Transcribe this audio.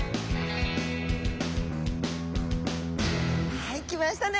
はい来ましたね。